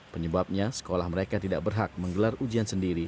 penyebabnya sekolah mereka tidak berhak menggelar ujian sendiri